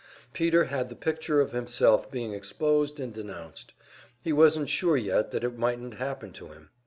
Peter had the picture of himself being exposed and denounced; he wasn't sure yet that it mightn't happen to him.